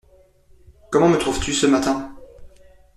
Comment me trouves-tu, ce matin ?